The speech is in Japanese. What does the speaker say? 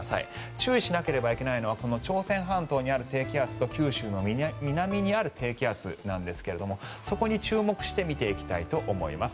注意しなければならないのは朝鮮半島にある低気圧と九州の南にある低気圧なんですがそこに注目して見ていきたいと思います。